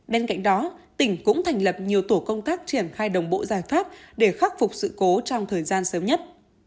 bên cạnh đó tỉnh cũng thành lập nhiều tổ công tác triển khai đồng bộ giải pháp để khắc phục sự cố trong thời gian sớm nhất